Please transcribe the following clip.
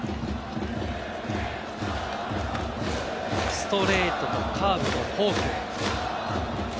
ストレートとカーブとフォーク。